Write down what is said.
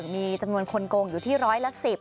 มีจำนวนคนโกงอยู่ที่ร้อยละ๑๐